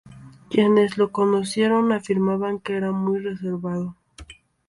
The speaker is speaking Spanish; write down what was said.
Quienes lo conocieron afirmaban que era muy reservado.